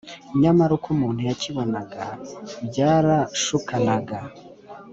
nyamara uko umuntu yakibonaga byarashukanaga